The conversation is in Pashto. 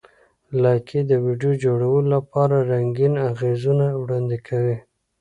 لایکي د ویډیو جوړولو لپاره رنګین اغېزونه وړاندې کوي.